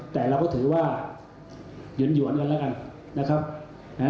แต่เราก็ถือว่าหยุ่นหยวนกันแล้วกัน